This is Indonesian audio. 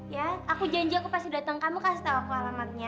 ya aku janji aku pasti datang kamu kasih tahu aku alamatnya